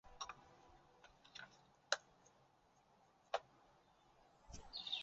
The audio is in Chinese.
召开一般程序审查会议